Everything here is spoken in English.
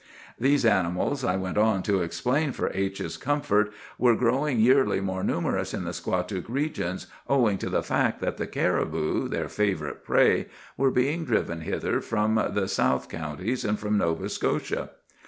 "These animals, I went on to explain for H——'s comfort, were growing yearly more numerous in the Squatook regions, owing to the fact that the caribou, their favorite prey, were being driven hither from the south counties and from Nova Scotia.